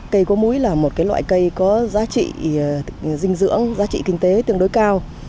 cây cố múi là một loại cây có giá trị dinh dưỡng giá trị kinh tế tương đối cao